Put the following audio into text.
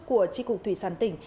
của tri cục thủy sản tỉnh